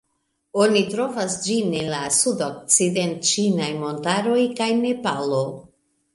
Oni trovas ĝin en la Sudokcident-ĉinaj Montaroj kaj Nepalo.